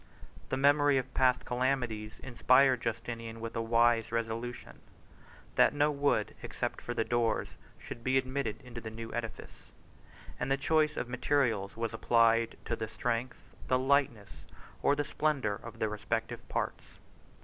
The memory of past calamities inspired Justinian with a wise resolution, that no wood, except for the doors, should be admitted into the new edifice; and the choice of the materials was applied to the strength, the lightness, or the splendor of the respective parts.